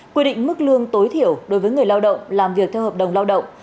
quy định mức lương tối thiểu đối với người lao động làm việc theo hợp đồng lao động